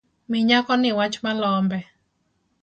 Mi nyakoni wach malombe